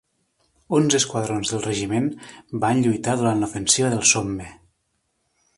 Onze esquadrons del regiment van lluitar durant la ofensiva del Somme.